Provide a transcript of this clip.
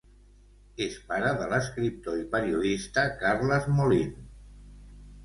És pare de l'escriptor i periodista Carles Molin.